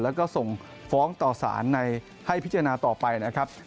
แล้วก็ส่งฟ้องต่อสารให้พิจารณาต่อไปนะครับ